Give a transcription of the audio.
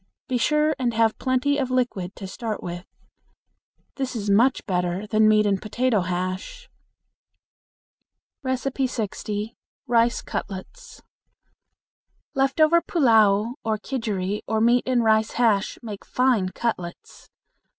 Be sure and have plenty of liquid to start with. This is much better than meat and potato hash. 60. Rice Cutlets. Left over pullao or kidgeri or meat and rice hash make fine cutlets.